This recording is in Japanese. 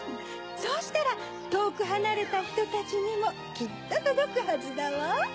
そうしたらとおくはなれたひとたちにもきっととどくはずだわ。